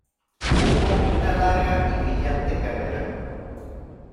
Hubo una larga y brillante carrera.